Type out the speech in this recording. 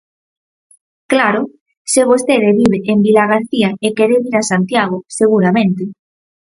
Claro, se vostede vive en Vilagarcía e quere vir a Santiago, seguramente.